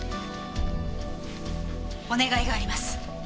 お願いがあります。